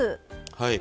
はい。